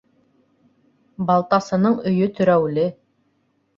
Балтасының өйө терәүле.